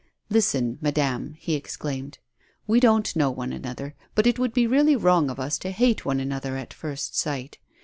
"Listen, madame," he exclaimed. "We don't know one another, but it would be really wrong of us to hate one another at first sight.